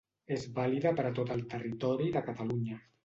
És vàlida per a tot el territori de Catalunya.